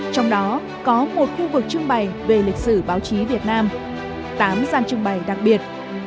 trong đó có một khu vực trưng bày về lịch sử báo chí việt nam tám gian trưng bày đặc biệt